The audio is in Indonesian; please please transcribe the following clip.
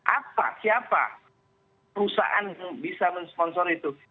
apa siapa perusahaan yang bisa mensponsor itu